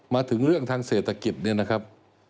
มาถึงเรื่องทางเศรษฐกิจเนี่ยนะครับ